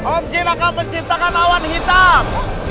om jin akan mencintakan awan hitam